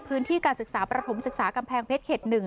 พื้นที่การศึกษาประถมศึกษากำแพงเพชรเขต๑